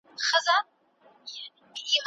منګنيز د بدن د کیمیاوي تعامل برخه ده.